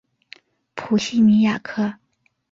普西尼亚克。